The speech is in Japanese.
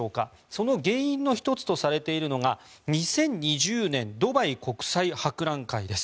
その原因の１つとされているのが２０２０年ドバイ国際博覧会です。